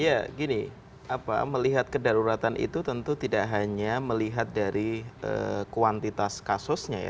ya gini melihat kedaruratan itu tentu tidak hanya melihat dari kuantitas kasusnya ya